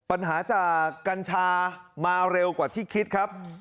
ปัญหาจากกัญชามาเร็วกว่าที่คิดครับ